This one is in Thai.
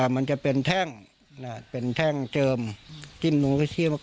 มันจะเป็นแท่งเป็นแท่งเจิมจิ้มลงไปเชี้ยวปาก